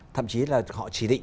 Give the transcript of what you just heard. thậm chí là họ chỉ định